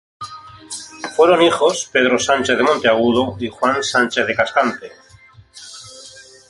Fueron hijos Pedro Sánchez de Monteagudo y Juan Sánchez de Cascante.